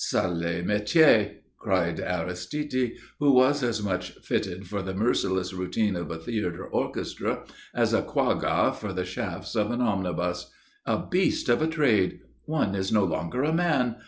"Sale métier!" cried Aristide, who was as much fitted for the merciless routine of a theatre orchestra as a quagga for the shafts of an omnibus. "A beast of a trade! One is no longer a man.